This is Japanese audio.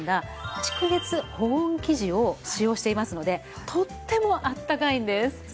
蓄熱保温生地を使用していますのでとってもあったかいんです。